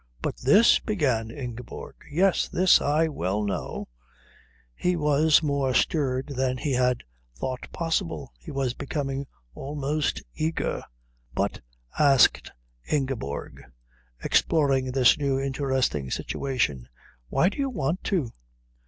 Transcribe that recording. "But this " began Ingeborg. "Yes. This, I well know " He was more stirred than he had thought possible. He was becoming almost eager. "But," asked Ingeborg, exploring this new interesting situation, "why do you want to?"